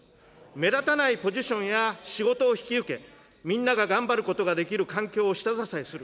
目立たないポジションや仕事を引き受け、みんなが頑張ることができる環境を下支えする。